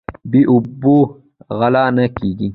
بې اوبو غله نه کیږي.